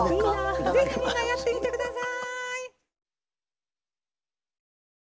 ぜひみんなやってみて下さい。